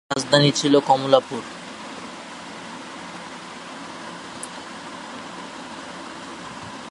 তার রাজধানী ছিল কমলাপুর।